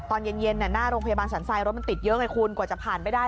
ตอนเย็นหน้าโรงพยาบาลสรรทรายรถมันติดเยอะไงคุณกว่าจะผ่านไปได้